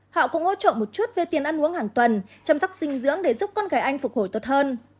họ cũng hỗ trợ một chút về tiền ăn uống hàng tuần chăm sóc dinh dưỡng để giúp con gái anh phục hồi tốt hơn